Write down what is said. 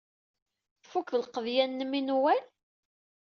Tfuked lqeḍyan-nnem i Newwal?